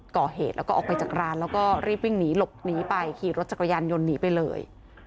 ก่อเหตุแล้วก็ออกไปจากร้านแล้วก็รีบวิ่งหนีหลบหนีไปขี่รถจักรยานยนต์หนีไปเลย